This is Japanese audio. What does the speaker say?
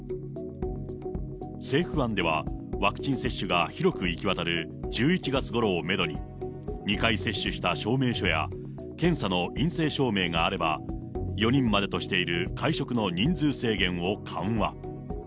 政府案ではワクチン接種が広く行き渡る１１月ごろをメドに、２回接種した証明書や検査の陰性証明があれば、４人までとしている会食の人数制限を緩和。